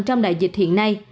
trong đại dịch hiện nay